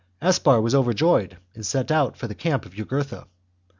Aspar was overjoyed and set out for the camp of Jugurtha.